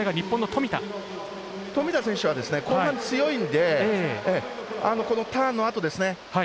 富田選手は後半強いのでこのターンのあとですね。